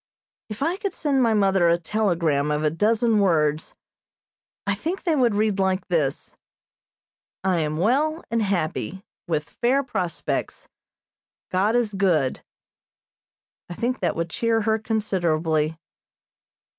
If I could send my mother a telegram of a dozen words, I think they would read like this: "I am well and happy, with fair prospects. God is good." I think that would cheer her considerably.